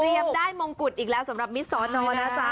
ได้มงกุฎอีกแล้วสำหรับมิสสอนอนะจ๊ะ